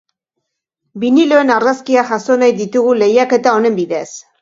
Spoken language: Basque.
Biniloen argazkiak jaso nahi ditugu, lehiaketa honen bidez.